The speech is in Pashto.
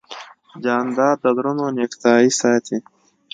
جانداد د زړونو نېکتایي ساتي.